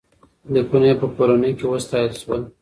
لیکونو یې په کورنۍ کې ستایل شول.